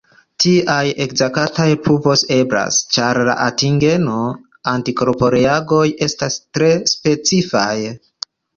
Tiaj ekzaktaj pruvoj eblas, ĉar la antigeno-antikorporeagoj estas tre specifaj.